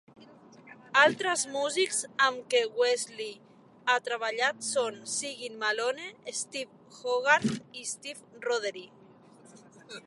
Altres músics amb què Wesley ha treballat són Siguin Malone, Steve Hogarth i Steve Rothery.